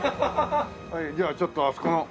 じゃあちょっとあそこの。